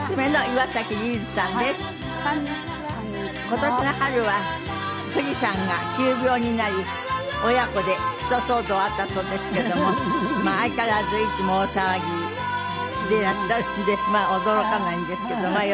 今年の春は冨士さんが急病になり親子でひと騒動あったそうですけどもまあ相変わらずいつも大騒ぎでいらっしゃるんで驚かないんですけどまあ